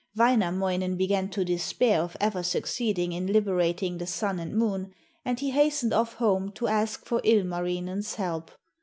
Wainamoinen began to despair of ever succeeding in liberating the Sun and Moon, and he hastened off home to ask for Ilmarinen's help.